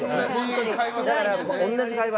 だから、同じ会話。